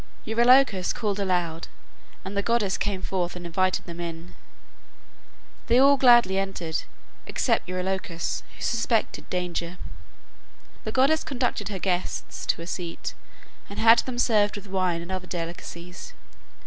Eurylochus called aloud and the goddess came forth and invited them in; they all gladly entered except Eurylochus, who suspected danger. The goddess conducted her guests to a seat, and had them served with wine and other delicacies.